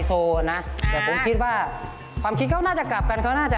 สุดท้านี่ใจอ่อนแล้วนะฮะอ๋อ